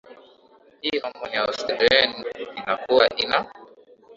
hii hormone ya osistrogen inakuwa ina